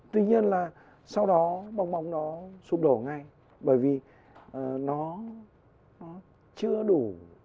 tuy nhiên là sau đó bong bóng nó sụp đổ ngay bởi vì nó chưa đủ